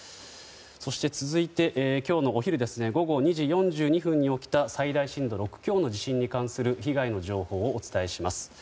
そして、続いて今日のお昼午後２時４２分に起きた最大震度６強の地震に関する被害の情報をお伝えします。